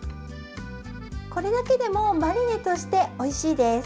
これだけでもマリネとしておいしいです。